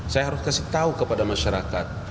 saya harus kasih tahu kepada masyarakat